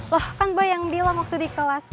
loh kan boy yang bilang waktu di kelas